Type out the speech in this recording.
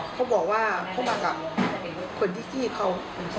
เพราะว่าเขามากับสี่คน